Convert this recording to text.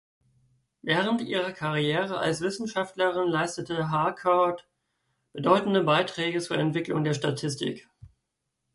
Während ihrer Karriere als Wissenschaftlerin leistete Harcourt bedeutende Beiträge zur Entwicklung der Statistik.